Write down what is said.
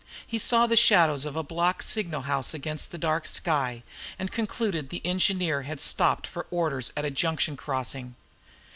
He saw the shadow of a block signal house against the dark sky, and concluded the engineer had stopped for orders at a junction crossing.